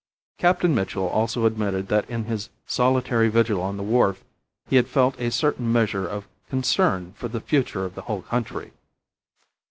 Captain Mitchell also admitted that in his solitary vigil on the wharf he had felt a certain measure of concern for the future of the whole country.